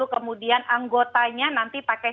kemudian anggotanya nanti pakai